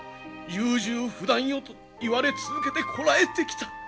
優柔不断よと言われ続けてこらえてきた。